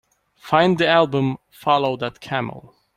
Find the album Follow That Camel